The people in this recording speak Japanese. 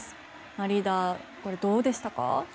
リーダー、どうでしたか？